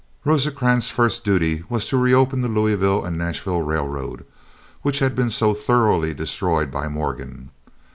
Rosecrans's first duty was to reopen the Louisville and Nashville Railroad, which had been so thoroughly destroyed by Morgan.